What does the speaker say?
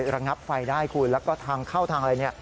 ระงับไฟได้คุณแล้วก็ทางเข้าทางอะไรเนี่ย